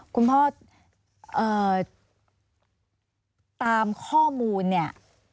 คุณพ่อตามข้อมูลเนี่ย